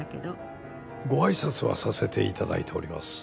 ご挨拶はさせて頂いております。